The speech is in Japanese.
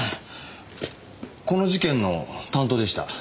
この事件の担当でした。